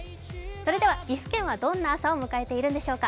それでは岐阜県はどんな朝を迎えているんでしょうか。